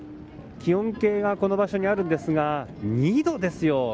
気温計がこの場所にあるんですが２度ですよ。